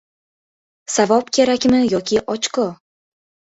Savob kerakmi yoki «ochko»?